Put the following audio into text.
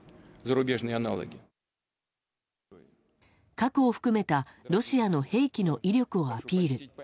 核を含めたロシアの兵器の威力をアピール。